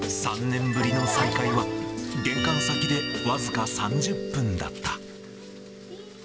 ３年ぶりの再会は、玄関先で僅か３０分だった。